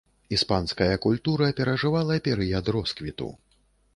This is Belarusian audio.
Іспанская культура перажывала перыяд росквіту.